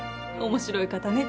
面白い方ね。